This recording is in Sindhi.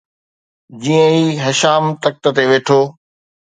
جيئن ئي هشام تخت تي ويٺو